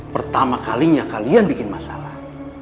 pertama kalinya kalian bikin masalah